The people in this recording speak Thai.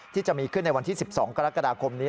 ที่จะมีขึ้นในวันที่๑๒กรกฎาคมนี้